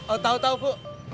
oh tau tau bu